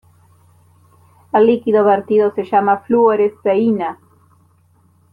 El líquido vertido se llama fluoresceína.